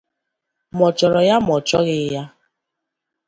ma ọ chọrọ ya ma ọchọghị ya